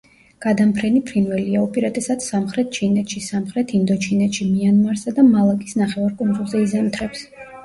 გადამფრენი ფრინველია, უპირატესად სამხრეთ ჩინეთში, სამხრეთ ინდოჩინეთში, მიანმარსა და მალაკის ნახევარკუნძულზე იზამთრებს.